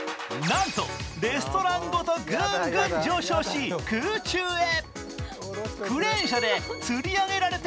なんと、レストランごとぐんぐん上昇し、空中へ。